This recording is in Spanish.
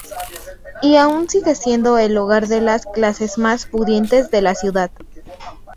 Y aún sigue siendo el hogar de las clases más pudientes de la ciudad.